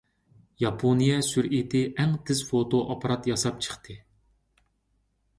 ياپونىيە سۈرئىتى ئەڭ تېز فوتو ئاپپارات ياساپ چىقتى.